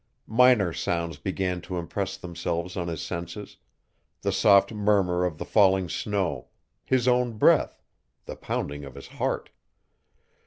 Minor sounds began to impress themselves on his senses the soft murmur of the falling snow, his own breath, the pounding of his heart.